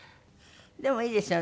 でもいいですよね。